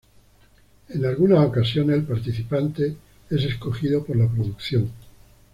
En algunas ocasiones el participante es escogido por la producción.